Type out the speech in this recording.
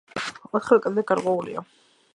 ოთხივე კედელი გარღვეულია.